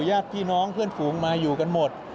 ญาติพี่น้องเพื่อนฝูงมาอยู่กันหมด